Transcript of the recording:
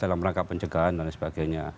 dalam rangka pencegahan dan sebagainya